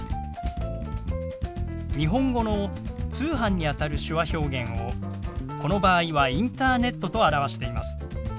日本語の「通販」にあたる手話表現をこの場合は「インターネット」と表しています。